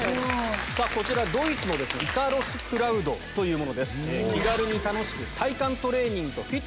こちらドイツのイカロスクラウドというものです。